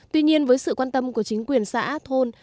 tuy nhiên với sự quan tâm của chính quyền xã thôn